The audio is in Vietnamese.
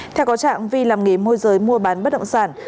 theo có trạng vi làm nghề môi giới mua bán bất động sản